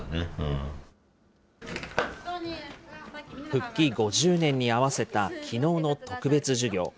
復帰５０年に合わせたきのうの特別授業。